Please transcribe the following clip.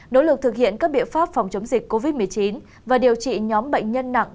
nỗ lực thực hiện các biện pháp phòng chống dịch covid một mươi chín và điều trị nhóm bệnh nhân nặng